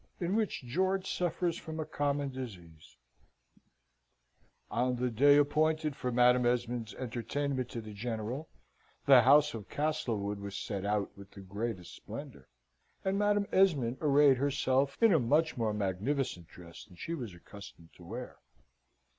In which George suffers from a Common Disease On the day appointed for Madam Esmond's entertainment to the General, the house of Castlewood was set out with the greatest splendour; and Madam Esmond arrayed herself in a much more magnificent dress than she was accustomed to wear.